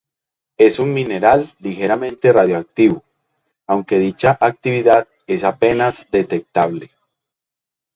Es un mineral ligeramente radioactivo, aunque dicha actividad es apenas detectable.